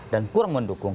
dan kurang mendukung